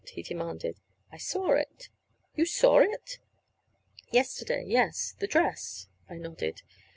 he demanded. "I saw it." "You saw it!" "Yesterday, yes the dress," I nodded.